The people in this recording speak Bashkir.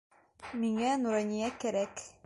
Миңә Нурания кәрәк!